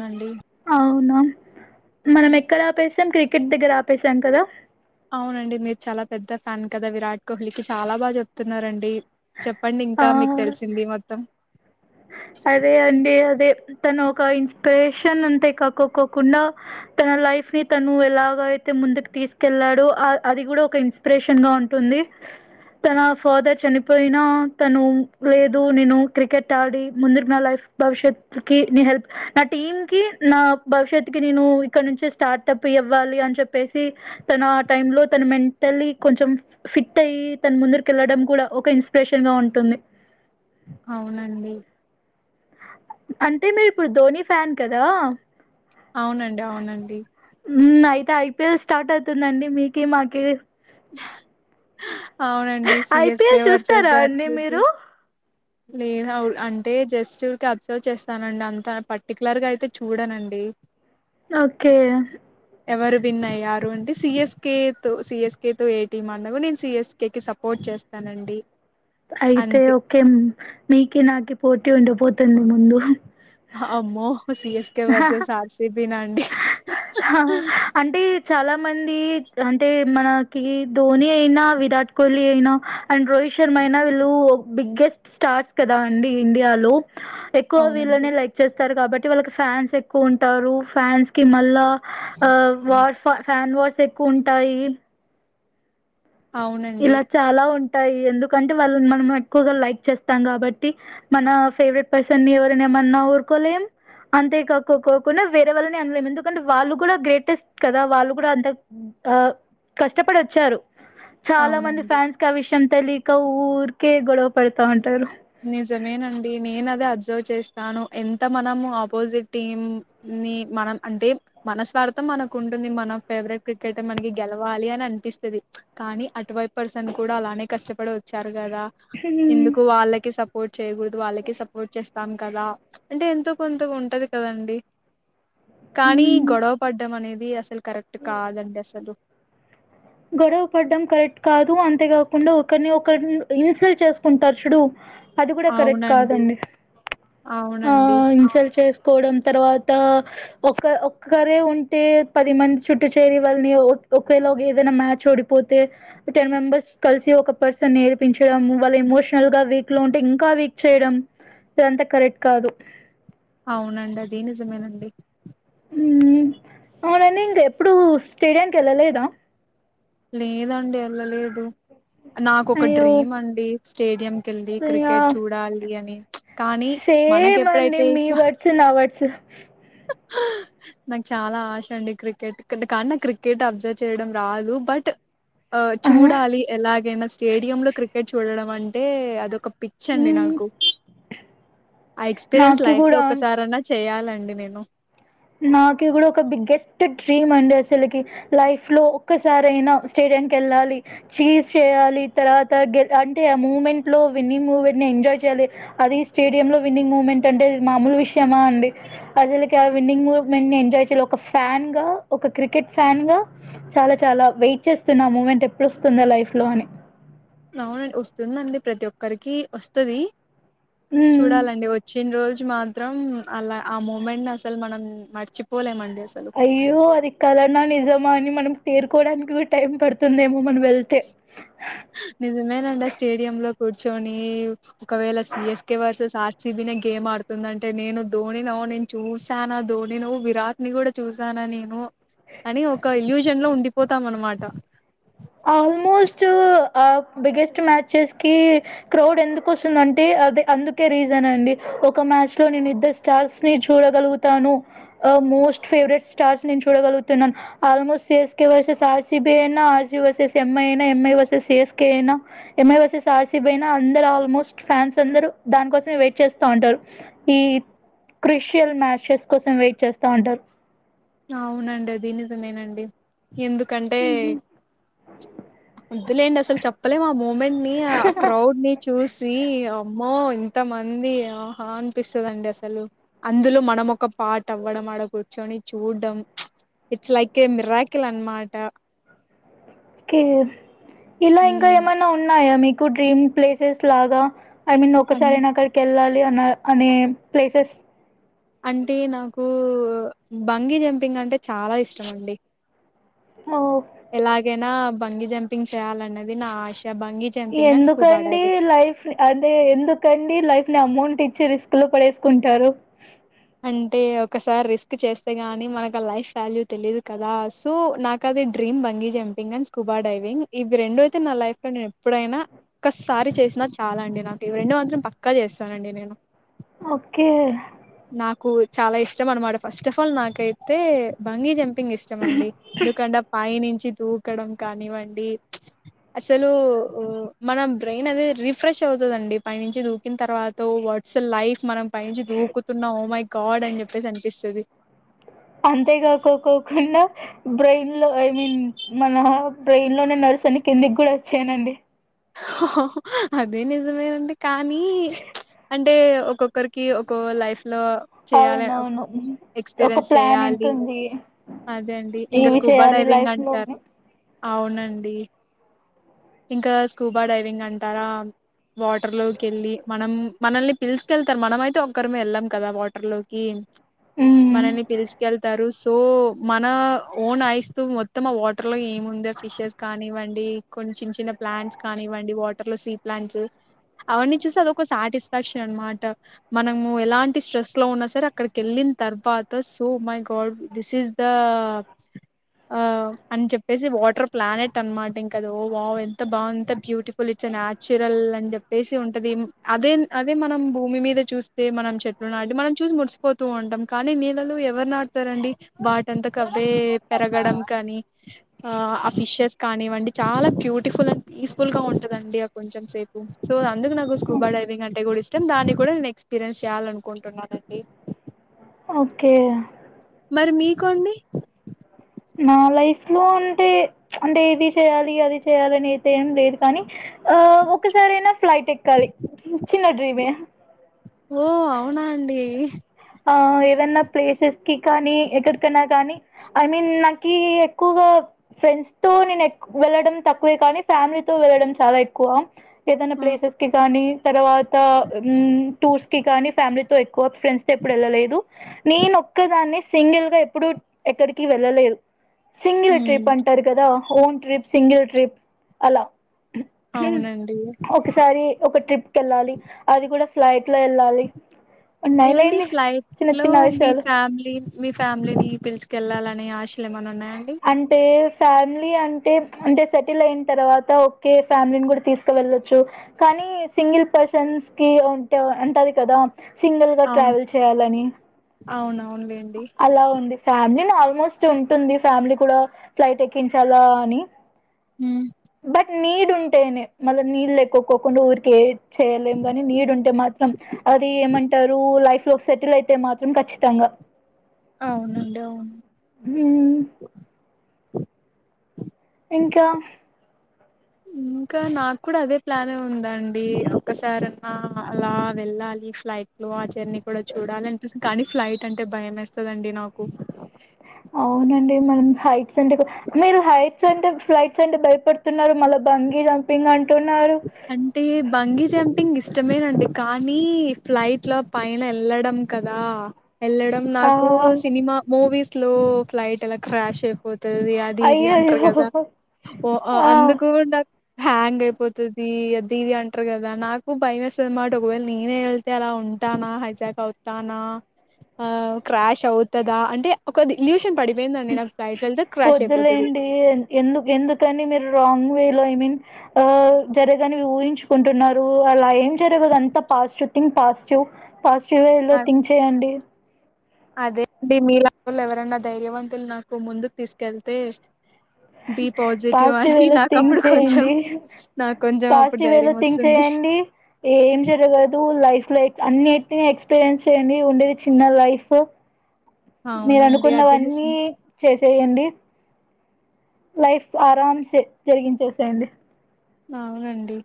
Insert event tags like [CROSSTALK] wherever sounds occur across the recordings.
నండి అవునా మనం ఎక్కడ ఆపేసాం కిట్ కిట్ దగ్గర ఆపేసాం కదా అవునండి మీరు చాలా పెద్ద ఫ్యాన్ కదా విరాట్ కోహ్లీకి చాలా బాగా చెప్తున్నారండి చెప్పండి ఆ ఇంకా మీకు తెలిసింది మొత్తం అదే అండి అదే తన ఒక ఇన్స్పిరేషన్ అంతే కాకకోకుండా తన లైఫ్ ని తను ఎలాగ అయితే ముందుకు తీసుకెల్లాడో అది కూడా ఒక ఇన్స్పిరేషన్ గా ఉంటుంది తన ఫాదర్ చనిపోయినా తను లేదు నేను క్రికెట్ ఆడి ముందు నా లైఫ్ భవిష్యత్ కి నీ హెల్ప్ నా టీమ్ కి నా భవిష్యత్ కి నేను ఇక్కడ నుంచే స్టార్ట్ప్ అప్ ఇవ్వాలి అని చెప్పేసి తన ఆ టైమ్ లో తను మెంటల్లీ కొంచం ఫిట్ అయి తన ముందరికి వెళ్ళడం కూడా ఒక ఇన్స్పిరేషన్ గా ఉంటుంది అవునండి అంటే మీరు ఇప్పుడు ధోని ఫ్యాన్ కదా అవునండి అవునండి అయితే ఐపిఎల్ స్టార్ట్ అవుతుందండి మీకి మాకి అవునండి సిఎస్కె ఐపీఎల్ వర్సెస్ చూస్తారా అండి ఆర్సీబీ మీరు లేహౌల్ అంటే జస్ట్ కి అబ్జర్వ్ చేస్తానండి అంత పర్టికులర్ గా అయితే చూడనండి ఓకే ఎవరు విన్ అయ్యారు అంటే సిఎస్కే తో సిఎస్కే తో ఏటీం ఆడినా కూడా నేను సిఎస్కే కే సపోర్ట్ చేస్తానండి అయితే అంతే ఓకేనండి నీకి నాకి పోటి ఉండపోతుంది ముందు అమ్మో సిఎస్కె వర్సస్ ఆర్సిబి నా హాహా అంటే చాలా మంది టి అంటే మనకి ధోని అయినా విరాట్ కోహ్లీ అయినా అండ్ రోహిత్ శర్మ అయినా వీళ్ళు బిగ్గెస్ట్ స్టార్స్ కదా అండి ఇండియాలో ఎక్కువ అవునండి వీళ్ళనే లైక్ చేస్ తారు కాబట్టి వాళ్ళకి ఫ్యాన్స్ ఎక్కువ ఉంటారు ఫ్యాన్స్ కి మల్ల హా వర్ ఫ ఫ్యాన్ వష్ స్ కొంటాయిల్ అవునండి ఇలా చాలా ఉం టాయ్ ఎందుకంటే వాళ్ళని మనం ఎక్కువగా లైక్ చేస్తాం కాబట్టి మన ఫేవరెట్ పర్సన్ ఎవరిని ఏమన్నా ఊరుకోలేం అంతే కాకోకుండా వేరే వాళ్ళని అనలేము ఎందుకంటే వాళ్ళు కూడా గ్రేటెస్ట్ కదా వాళ్ళు కూడా అంత ఆ కష్టపడి వచ్చారు చాలా మంది అవునండి ఫ్యాన్స్ క విషా యం తెలీక ఊరికే గొడవ పడతా ఉంటారు నిజమేనండి నేను అదే అబ్జర్వ్ చేస్తాను ఎంత మనం ఆపోజిట్ టీం ని మనం అంటే మనస్వార్థం మనకు ఉంటుంది మన ఫేవరెట్ క్రికెట్ర్ మనకి గెలవాలి అని అనిపిస్తుంది కానీ అటువైపు పర్సన్ కూడా అలానే కష్టపడి వచ్చారు కదా హ్మ్. ఎందుకు వాళ్ళకి సపోర్ట్ చేయకూడదు వాళ్ళకి సపోర్ట్ చేస్తాం కదా అంటే ఎంతో కొంత ఉంటది కదండి కానీ హ్మ్. గొడవ పడం అనేది ది అసలు కరెక్ట్ కాదండీ అసలు గొడవ పడ్డం కరెక్ట్ కాదు అంతే కాకుండా ఒకరిని ఒకరి ఇన్సల్ట్ చేసుకుంటారు చూడు అది కూడా కరెక్ట్ అవునండి కాదండి ఆ అవునండి ఇన్సెల్ చేసు కోవడం తర్వాత ఒక ఒక్కరే ఉంటే పది మంది చుట్టు చేరి వాళ్ళని ఒకేలో ఏదైనా మ్యాచ్ ఓడిపోతే టెన్ మెంబర్స్ కలిసి ఒక పర్సన్ నీ ఏడిపించడం వాళ్ళ ఇమోషనల్ గా వీక్ లో ఉంటే ఇంకా వీక్ చేయడం ఇదంతా కరెక్ట్ కాదు అవునండి అది నిజమేనండి హ్మ్ అవునండి ఇంకా ఎప్పుడు స్టేడియం కి వెళ్ళలేదా లేదండి ఎళ్లలేదు నాకు ఒక అయ్యో డ్రీమ్ అండి స్టేడియం కెళ్ళి ఇగ క్రికెట్ చూడాలి అని కానీ మనక ఎప్పుడైతే ఇ సు నాకు చాలా ఆశ అండి క్రికెట్ కానీ నాకు క్రికెట్ అబ్జర్వ్ చేయడం రాదు బట్ ఆ చూడాలి ఎలాగైనా సస్టేడియం లో క్రికెట్ చూడడం అంటే అదొక పిచ్చండి హ్మ్. నాకు ఆ ఎక్స్పీరియన్స్ నాకి లైఫ్ లో కూడా ఒక్కసారన్నా చేయాలని అండి నేను నాకి కూడా ఒక బిగ్గెస్ట్ డ్రీమ్ అండి అసలుకి లైఫ్ లో ఒక్కసారైనా స్టేడియం కి వెళ్ళాలి చీజ్ చేయాలి తర్వాత అంటే ఆ మూమెంట్ లో విన్నింగ్ మూమెంట్ ని ఎంజాయ్ చేయాలి అది స్టేడియం లో విన్నింగ్ మూమెంట్ అంటే మామూలు విషయమా అండి అసలుకి అవ్ విన్నింగ్ మూమెంట్ ఎంజాయ్ చేయ ఒక ఫ్యాన్ గా ఒక క్రికెట్ ఫ్యాన్ గా చాలా చాలా వెయిట్ చేస్తున్నా ఆ మూమెంట్ ఎప్పుడు వస్తుందా లైఫ్ లో అని అవునండి వస్తుందండి ప్రతి ఒక్కరికి వస్తది హ్మ్. చూడాలండి వచ్చిన రోజు మాత్రం అలా ఆ మూమెంట్ ని అసలు మనం మర్చిపోలెం అన్ అయ్యో అది కల నా నిజమా అని మనం తేరుకోవడానికి కూ టైం పడుతుందేమో మనం వెళ్తే నిజమేనండి ఆ స్టేడియంలో కూర్చొని ఒకవేళ సిఎస్కే వర్సెస్ ఆర్సిబి నే గేమ్ ఆడుతుంధంటే నేను ధోని నో నేను చూసానా ధోని ను విరాట్ ని కూడా చూసానా నేను అని ఒక ఎల్యూషన్ లో ఉండిపోతాం అనమాట ఆల్మోస్ట్ ఆ బిగ్గెస్ట్ మ్యాచెస్ కి క్రౌడ్ ఎందుకు వస్తుందంటే అదే అందుకే రీజన్ అండి ఒక మ్యాచ్ లో నేను ఇద్దరు స్టార్స్ ని చూడగలుగుతాను మోస్ట్ ఫేవరెట్ స్టార్స్ నేను చూడగలుగుతున్నాను almost C S K versus RCB అయిన బి వర్సెస్ ఎం ఐ అయినా MI versus C S K అయినా MI versus R C B అయినా అందరు ఆల్మోస్ట్ ఫ్యాన్స్ అందరు దాని కోసమే వెయిట్ చేస్తా ఉంటారు ఈ క్రిషియల్ మ్యాచెస్ కోసం వెయిట్ చేస్తా ఉంటారు అవునండి అది నిజమేనండి ఎందుకంటే వద్దులేండి అసలు చెప్పలేము ఆ మూమెంట్ ని ఆ హుహు. క్రౌడ్ ని చూసి అమ్మో ఇంతమంది ఆహ అనిపిస్తధండి అసలు అందులో మనం ఒక పార్ట్ అవ్వడం ఆడ కూర్చొని చూడ్డం ఇట్స్ లైక్ ఏ మిరాకిల్ అన్నమాట కే ఇలా ఇంకా ఏమైన్నా ఉన్నాయా మీక్ కు డ్రీమ్ ప్లేసెస్ లాగా ఐ మీన్ అన్ ఒక్కసారైనా అక్కడికి ఏళ్లాల్ [UNINTELLIGIBLE] అని ప్లేసెస్ అంటే నాకు బంగి జంపింగ్ అంటే చాలా ఇష్టం అండి ఓహ్! ఎలాగే నా బంగి జంపింగ్ చేయాలన్నది నా ఆశ బంగీ జంపింగ్ అండ్ స్కూబా ఎందుకండి డైవింగ్ లైఫ్ అదే ఎందుకండి లైఫ్ ని అమౌంట్ ఇ చి రిస్క్ లో పడేసుకుంటారు అంటే ఒకసారి రిస్క్ చేస్తే గానీ మనకు ఆ లైఫ్ వాల్యూ తెలీయదు కదా సో నాకు అది dream bungee jumping and scuba diving ఇవి రెండ అయితే నా లైఫ్లో నేను ఎప్పుడైనా ఒక్కసారి చేసినా చాలా అండి నాకు ఇవి రెండు మాత్రం పక్క చేస్తానండి నేను ఓకే నాకు చాలా ఇష్టం అన్నమాట ఫస్ట్ ఆఫ్ ఆల్ నాకైతే బంగీ జంపి పింగ్ ఇష్టం అండి ఎందుకంటే పైనించి చి దూకడం కానివ్వండి అసలు మన బ్రెయిన్ అది రిఫ్రెష్ అవుతుందండి పైనుంచి దూకిన తర్వాత వాట్స్ లైఫ్ మనం పైంచి దు ఓ మై గాడ్ అని చెప్పేసి అనిపిస్ సది అంతేగాక్కకోకుండా బ్రెయిన్ లో ఐ మీన్ మన బ్రెయిన్ లోనే నర్స్ని కిందికి కూడా వచ్చాయనండి ఓహో హా అదే నిజమేనంటే కానీ అంటే ఒక్కొక్కరికి ఒక లైఫ్ లో చేయాల అవునవును హ్మ్. ఒక ఎక్స్పీరియన్స్ ప్లాన్ చేయాలి ఉంటుంది అదే అండి ఇంకా ఇవి స్కూబా చేయాలి డైవింగ్ లైఫ్లో అంటారు అవునండి ఇంకా స్కూబా డైవింగ్ అంటారా వాటర్ లోకి వెళ్ళి మనం మనల్ని పిల్స్క వెళ్తారు మనం అయితే ఒక్కరిమ వెళ్ళాం కదా వాటర్ లోకి మనల్ని పిలుచుకెళ్తారు సో మన ఓన్ ఐస్తూ మొత్తం ఆ వాటర్లో ఏముంద ఫిషెస్ కానివ్వండి కొన్ని చిన్న చిన్న ప్లాంట్స్ కానివ్వండి వాటర్ లో సీ ప్లాంట్స్ అవన్నీ చూసి, అదొక సాటిస్ఫాక్షన్ అనమాట. మనము ఎలాంటి స్ట్రెస్ లో ఉన్నా సరే, అక్కడికి వెళ్ళిన తర్వాత so my god this is the ఆ అని చెప్పేసి వాటర్ ప్లానెట్ అనమాట ఇంకది. ఓ వావ్ ఎంత బాగున్ ఇంత బ్యూటిఫుల్ ఇట్స్ నాన్చురల్ అని చెప్పేసి ఉంటది. అదే అదే మనం భూమి మీద చూస్తే మనం చెట్లు నాటి మనం చూసి మురిసిపోతూ ఉంటాం. కానీ నీళ్ళలో ఎవరు నాట్తారండి వాటింతక అవ్వే పెరగడం కానీ, ఆ ఆ ఫిషెస్ కాని ఇవ్వండి చాలా బ్యూటిఫుల్ అన్ పీస్ఫుల్ గా ఉంటదండి కొంచెం సేపు సో అందుకు నాకు స్కూబా డ్రైవింగ్ అంటే కూడా ఇష్టం. దాన్ని కూడా నేను ఎక్స్పీరియన్స్ చేయాల అనుకుంటున్నానండి. ఓకే మరి మీకు అండి నా లైఫ్ లో అంటే ప్చ్ అంటే ఇది ఏది చెయాలి అది చేయాలి అని ఏం లేదు కానీ ఆ ఒకసారియినా ఫ్లైట్ ఎక్కాలి చిన్న డ్రీమే ఓ అవునా అండి ఆ ఏదనా ప్లేసెస్ కి కానీ ఎక్కడికైనా కానీ ఐ మీన్ నాకి ఎక్కువగా ఫ్రెండ్స్ తో నేను ఎక్ వెళ్ళడం తక్కువే కానీ ఫ్యామిలీతో వెళ్ళడం చాలా ఎక్కువ. ఏదన ఆ, ప్లేసెస్ కి కానీ తర్వాత్ తా ఆ టూర్స్కి కానీ ఫ్యామిల్క్ టో ఎక్కువ ఫ్య్ ఎప్పుడ్ వెళ్ళలేదు నేన్ ఒక్కదానే సింగిల్ గా ఎప్పుడు ఎక్కడికి వెళ్ళలేదు. సింగిల్ హ్మ్, ట్రిప్ అంటారు కదా ఓన్ ట్రిప్ సింగల్ ట్రిప్ అలా అవునండి ఒకసారి ఒక ట్రిప్ కెళ్ళాలి అది కూడా ఫ్లైట్ లో ఎళ్ళాలి ఉన్నాయ్ ఏవండి లెండి ఫ్లైట్ లో మీ ఫ్యామిలీ మీ ఫ్యామిలీని పిలుచుకెళ్ళా అలా అని ఆశలేమన్నా అంటే ఫ్యామిలీ అంటే అంటే సెటిల్ అయిన తర్వాత ఓకే ఫ్యామిలీని కూడా తీసుకు వెళ్ళొచ్చు కానీ సింగిల్ పర్సన్స్ కి అంటే ఉంటది కదా సింగిల్ గా ట్రావెల్ చేయాలని అవునులేండి అలా ఉంది ఫ్యామిలీని ఆల్మోస్ట్ ఉంటుంది ఫ్యామిలీ కూడా ఫ్లైట్ ఎక్కించాలా అని హ్మ్ బట్ నీడ్ ఉంటేనే మళ్ళ నీళడ్ లేకొకకుండా ఊరికే చేయలేం గాని నీడ్ ఉంటే మాత్రం అది ఏమంటారు లైఫ్ సెటిల్ అయితే మాత్రం ఖచ్చితంగా అవునండి అవును ఊ ఇంకా ఇంకా నాకు కూడా అదే ప్లాన్ ఉందండి ఒకసారన్నా అలా వెళ్ళాలి ఫ్లైట్ లో ఆ జర్నీ కూడా చూడాలి అనిపిస్తు కానీ ఫ్లైట్ అంటే భయం ఏస్తదండి నాకు అవునండి మనం [UNINTELLIGIBLE] అంటే మీరు హైట్స్ అంటే ఫ్లైట్ హైట్స్ అంటే భయపడుతున్నారు మళ్ళీ బంగి హంపింగ్ అం అంటే బంగి జంపింగ్ ఇస్ ఇష్టమేనండి కానీ ఫ్లైట్ లో పైన ఎళ్ళడం కదా ఎళ్ళడం ఆ! నాకు సినిమా మూవీస్ స్లో ఫ్లైట్ అలా క్రాష్ అయి పోతది అది ఇది అంటారు అయ్యయ్యో! కదా ఓ ఆ! అందుకు నాక్ హ్యాంగ్ అయిపోత తది అది ఇది అంటారు కదా నాకు భయం ఏస్తుంది అన్నమాట ఒకవేళ నేనే వెళ్తే అలా ఉంటానా హైజాక్ అవుతానా ఆ క్రాష్ అవుతందా అంటే ఒక ఇల్యూషన్ పడిపోయిందండి నాకు ఫ్లైట్ వెళ్తే క్రాష్ అయిపోతది వొద్దులేండి ఏ ఎందు ఎందుకని మీరు రాంగ్ వే లో ఐ మీన్ జరగాని ఊహించుకుంటున్నారు అలా ఏం జరగదు అంతా positive think positive positive వేలో థింక్ చెయ్యండి అదేనండి మీ లాంటోళ్లు ఎవరనా ధైర్యవంతులు ముందుకు తీసుకెళ్తే బి పాజిటివ్ అని వేలో నాకు థింక్ అప్పుడు కొంచెం చేయండి నాకు కొంచెం అప్పుడు పాజిటివ్ వేలో ధైర్యం థింక్ వస్తుంది చేయండి ఏం జరగదు లైఫ్ లో అన్ని టిని ఎక్స్పీరియన్స్ చేయడి ఉండేది చిన్న లైఫు మీరు అవునండి అదే అనుకున్నవన్నీ చెస్ చేయండి లైఫ్ ఆరాం సే జరిగించేసేయండి ఆ అవునండి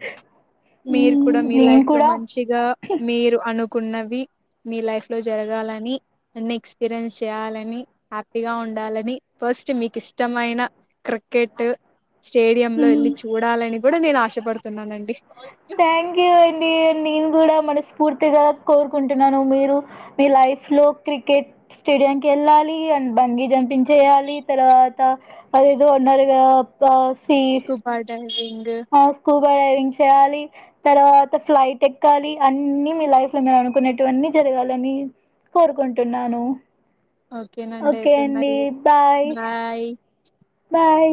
ఏ మీరు కూడా మీ లైఫ్ లో మంచిగా మీరు అనుకున్న అనుకున్నవి మీ లైఫ్ లో జరగాలని అన్ని ఎక్స్పీరియన్స్ చేయాలని హ్యాపీగా ఉండాలని ఫస్ట్ మీకు ఇష్టమైన క్రికెట్ స్టేడియం లో వెళ్ళి చూడాలని ఇప్పుడుకూడా నేను ఆశపడుతున్నానండి థ్యాంక్ యూ అండి నను కూడా పూర్తిగా కోరుకుంటున్నాను మీరు మీ లైఫ్ లో క్రికెట్ స్టేడియం కి వెళ్ళాలి అండ్ బంగీ జంపించేయాలి తర్వాత అదేదో ఉన్నారుగాఆ స్కూల్ బాట రింగు డ్రైవింగ్ చేయాలి తర్వాత ఫ్లైట్ ఎక్కాలి అన్ని మీ లైఫ్ లో మీరు అనుకునేటు జరగాలని కోరుకుంటున్నాను ఓకేనండి ఓకే అయితే అండి మరి బాయ్ బాయ్ బాయ్